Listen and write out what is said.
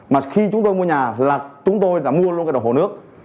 mà khi chúng tôi mua nhà là chúng tôi đã mua luôn cái đồng hồ nước